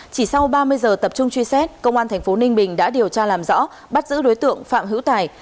chỉ sau ba mươi giờ tập trung truy xét công an tp ninh bình đã điều tra làm rõ bắt giữ đối tượng phạm hữu tài